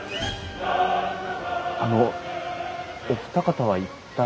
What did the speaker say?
あのお二方は一体？